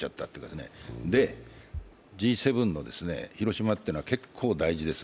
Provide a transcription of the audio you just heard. で、Ｇ７の広島っていうのは結構大事です。